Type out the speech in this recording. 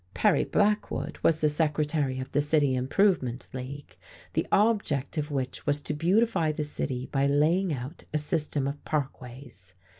Perry Blackwood was the Secretary of the City Improvement League, the object of which was to beautify the city by laying out a system of parkways.